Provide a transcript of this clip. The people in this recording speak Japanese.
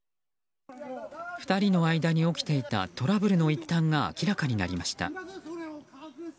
２人の間に起きていたトラブルの一端が明らかになりました。